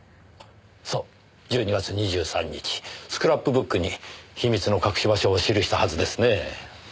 そう１２月２３日スクラップブックに秘密の隠し場所を記したはずですねぇ。